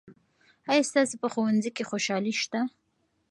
آیا ستاسو په ښوونځي کې خوشالي سته؟